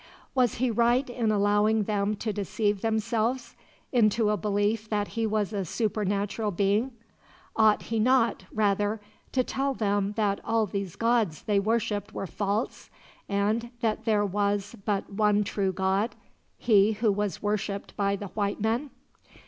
Was he right in allowing them to deceive themselves into a belief that he was a supernatural being? Ought he not, rather, to tell them that all these gods they worshiped were false, and that there was but one true God He who was worshiped by the White men?